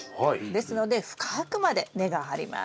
ですので深くまで根が張ります。